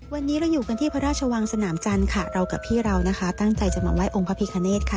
วันนี้เราอยู่กันที่พระราชวังสนามจันทร์ค่ะเรากับพี่เรานะคะตั้งใจจะมาไหว้องค์พระพิคเนธค่ะ